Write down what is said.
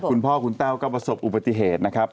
คุณพ่อคุณแต้วก็ประสบอุบัติเหตุนะครับ